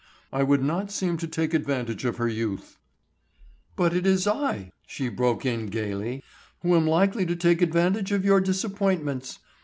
I would not seem to take advantage of her youth." "But it is I," she broke in gayly, "who am likely to take advantage of your disappointments!